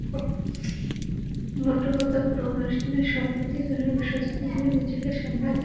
মোট কথা, পুরো অনুষ্ঠানে সাবধানি কারিনা বেশ সচেতনভাবেই নিজেকে সামলে চলছিলেন।